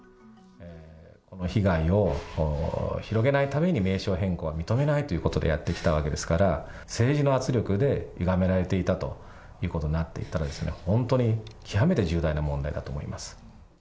被害を広げないために名称変更は認めないということでやってきたわけですから、政治の圧力でゆがめられていたということになっていったらですね、本当に、極めて重大な問題だと思います。